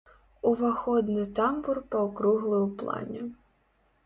Уваходны тамбур паўкруглы ў плане.